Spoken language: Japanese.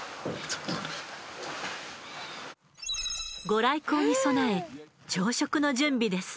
ご来光に備え朝食の準備です。